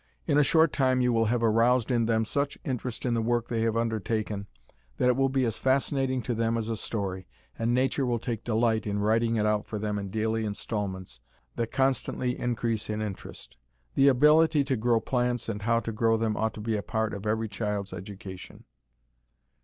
In a short time you will have aroused in them such interest in the work they have undertaken that it will be as fascinating to them as a story, and nature will take delight in writing it out for them in daily instalments that constantly increase in interest. The ability to know plants and how to grow them ought to be a part of every child's education.